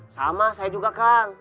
sama saya juga kang